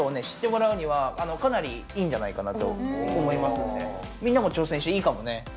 知ってもらうにはかなりいいんじゃないかなと思いますのでみんなも挑戦していいかもね。